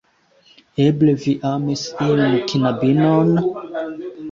Eble vi amis iun knabinon?